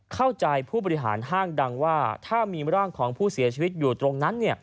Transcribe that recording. เข้าใจผู้บริหารห้างดังว่าถ้ามีร่างของผู้เสียชีวิตอยู่ตรงนั้น